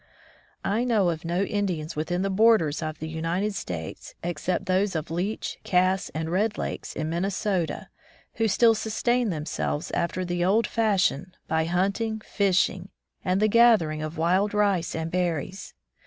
I know of no Indians within the borders of the United States, except those of Leech, Cass and Red Lakes in Minnesota, who still sustain themselves after the old fashion by hunting, fishing and the gathering of wild rice and berries.